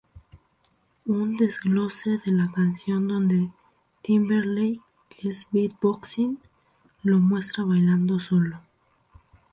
Un desglose de la canción, donde Timberlake es beat boxing, lo muestra bailando solo.